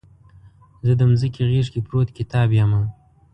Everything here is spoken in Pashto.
زه دمځکې غیږ کې پروت کتاب یمه